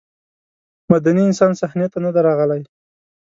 مدني انسان صحنې ته نه راغلی.